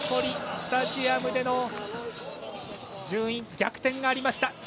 スタジアムでの逆転がありました。